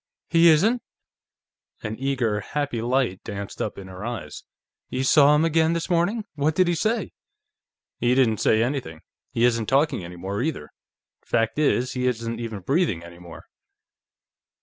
"He isn't?" An eager, happy light danced up in her eyes. "You saw him again this morning? What did he say?" "He didn't say anything. He isn't talking any more, either. Fact is, he isn't even breathing any more."